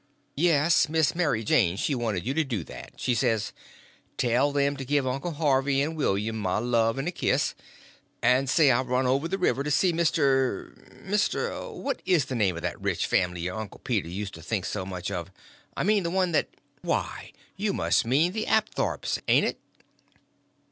"Yes, Miss Mary Jane she wanted you to do that. She says, 'Tell them to give Uncle Harvey and William my love and a kiss, and say I've run over the river to see Mr.'—Mr.—what is the name of that rich family your uncle Peter used to think so much of?—I mean the one that—" "Why, you must mean the Apthorps, ain't it?"